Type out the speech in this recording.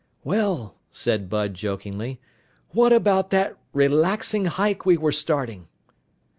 "Well," said Bud jokingly, "what about that relaxing hike we were starting?"